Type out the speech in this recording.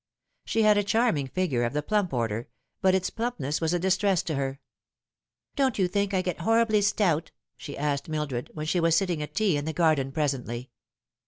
She had a charming figure of the plump order, but its plumpness was a distress to her. " Don't you think I get horribly stout ?" she asked Mildred, when she was sitting at tea in the garden presently.